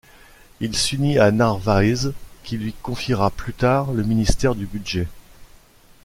Il s'unit à Narváez, qui lui confiera plus tard le ministère du Budget.